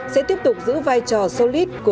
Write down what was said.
sẽ tiếp tục giữ vai trò solid